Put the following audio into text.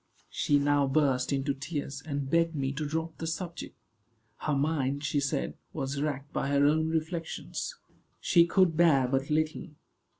She now burst into tears, and begged me to drop the subject. Her mind, she said, was racked by her own reflections. She could bear but little.